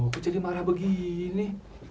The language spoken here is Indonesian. kok jadi marah begini